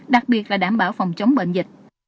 đặc biệt là đảm bảo phòng chống bệnh dịch